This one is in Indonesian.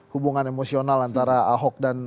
hubungan emosional antara ahok dan